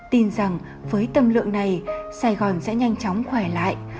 tin rằng với tâm lượng này sài gòn sẽ nhanh chóng khỏe lại